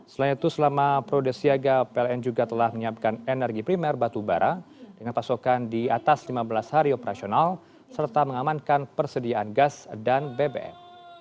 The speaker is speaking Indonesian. selain itu selama prode siaga pln juga telah menyiapkan energi primer batubara dengan pasokan di atas lima belas hari operasional serta mengamankan persediaan gas dan bbm